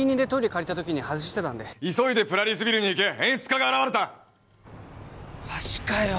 借りた時に外してたんで急いでプラリスビルに行け演出家が現れたマジかよ！？